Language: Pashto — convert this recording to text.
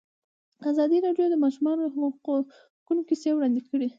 ازادي راډیو د د ماشومانو حقونه کیسې وړاندې کړي.